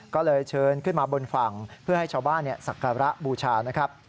ก็เลยเชิญขึ้นมาบนฝั่งเพื่อให้ชาวบ้านสักการะบูชานะครับ